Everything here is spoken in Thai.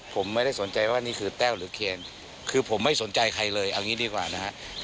ผมไม่ได้สนใจว่านี่คือแต้วหรือเคนคือผมไม่สนใจใครเลยเอางี้ดีกว่านะฮะ